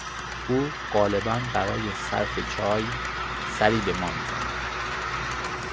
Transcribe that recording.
او غالبا برای صرف چای سری به ما میزند.